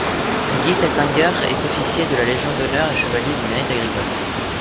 Guy Taittinger est officier de la Légion d'honneur et chevalier du Mérite agricole.